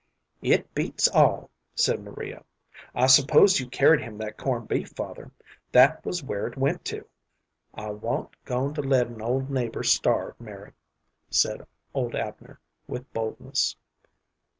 "It beats all," said Maria. "I s'pose you carried him that corn' beef, father? That was where it went to." "I wa'n't goin' to let an old neighbor starve, Mari," said old Abner, with boldness.